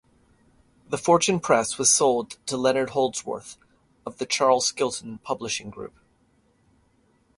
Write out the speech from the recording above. The Fortune Press was sold to Leonard Holdsworth, of The Charles Skilton Publishing Group.